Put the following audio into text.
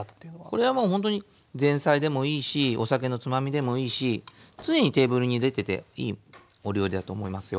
これはもうほんとに前菜でもいいしお酒のつまみでもいいし常にテーブルに出てていいお料理だと思いますよ。